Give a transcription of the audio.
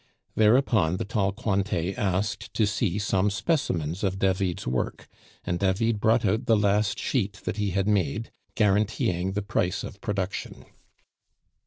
Thereupon the tall Cointet asked to see some specimens of David's work, and David brought out the last sheet that he had made, guaranteeing the price of production.